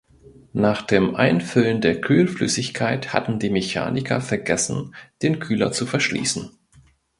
Nach dem Einfüllen der Kühlflüssigkeit hatten die Mechaniker vergessen den Kühler zu verschließen.